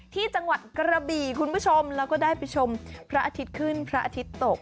ที่จังหวัดกระบี่คุณผู้ชมแล้วก็ได้ไปชมพระอาทิตย์ขึ้นพระอาทิตย์ตก